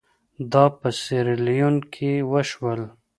دا په سیریلیون کې وشول.